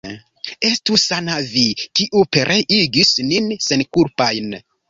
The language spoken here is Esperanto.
Estu sana vi, kiu pereigis nin senkulpajn!